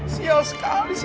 si angkanya juga